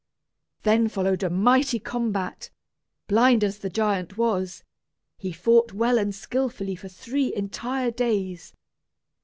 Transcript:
Then followed a mighty combat. Blind as the giant was, he fought well and skilfully for three entire days.